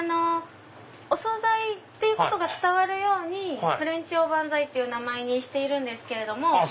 お総菜っていうことが伝わるように「フレンチおばんざい」って名前にしているんですけれども